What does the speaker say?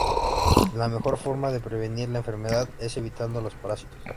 La mejor forma de prevenir la enfermedad es evitando los parásitos.